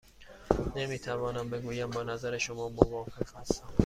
نمی توانم بگویم با نظر شما موافق هستم.